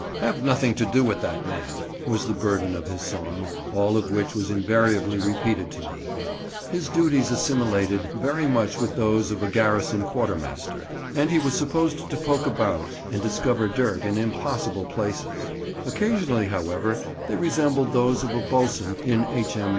"Have nothing to do with that man" was the burthen of his song, all of which was invariably repeated to me. His duties assimilated very much with those of a garrison Quarter master, and he was supposed to poke about and discover dirt in impossible places; occasionally, however, they resembled those of a boatswain in H.M.